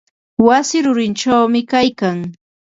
Wasi rurichawmi kaylkan.